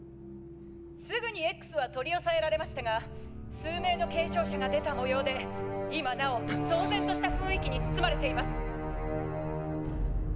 すぐに“Ｘ”は取り押さえられましたが数名の軽傷者が出たもようで今なお騒然とした雰囲気に包まれています」。